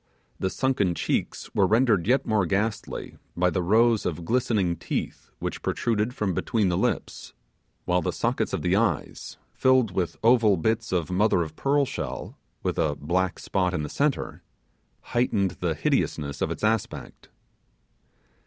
The sunken cheeks were rendered yet more ghastly by the rows of glistening teeth which protruded from between the lips, while the sockets of the eyes filled with oval bits of mother of pearl shell, with a black spot in the centre heightened the hideousness of its aspect.